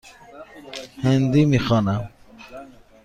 هندی می خوانم.